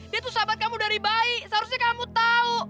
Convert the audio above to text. dia tuh sahabat kamu dari bayi seharusnya kamu tahu